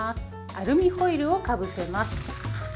アルミホイルをかぶせます。